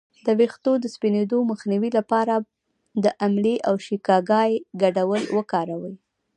د ویښتو د سپینیدو مخنیوي لپاره د املې او شیکاکای ګډول وکاروئ